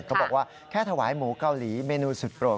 เขาบอกว่าแค่ถวายหมูเกาหลีเมนูสุดโปรด